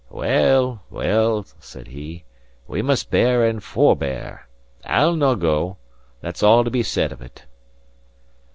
"Well, well," said he, "we must bear and forbear. I'll no go; that's all that's to be said of it."